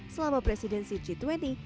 selama presidensi g dua puluh